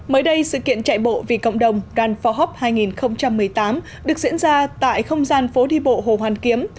mới đây sự kiện chạy bộ vì cộng đồng run for hope hai nghìn một mươi tám được diễn ra tại không gian phố đi bộ hồ hoàn kiếm